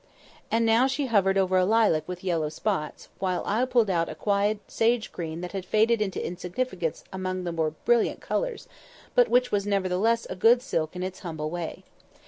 And now she hovered over a lilac with yellow spots, while I pulled out a quiet sage green that had faded into insignificance under the more brilliant colours, but which was nevertheless a good silk in its humble way.